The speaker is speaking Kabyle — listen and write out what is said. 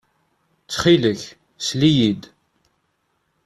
Ttxil-k, sel-iyi-d.